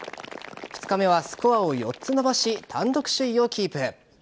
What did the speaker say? ２日目はスコアを４つ伸ばし単独首位をキープ。